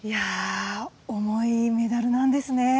重いメダルなんですね。